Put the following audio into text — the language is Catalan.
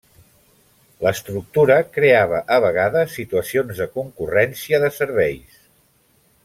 L'estructura creava a vegades situacions de concurrència de serveis.